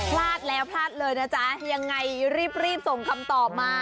พลาดแล้วพลาดเลยนะจ๊ะยังไงรีบส่งคำตอบมา